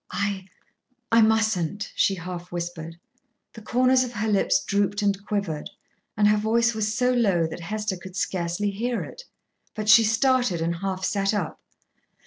"I I mustn't," she half whispered. The corners of her lips drooped and quivered, and her voice was so low that Hester could scarcely hear it. But she started and half sat up.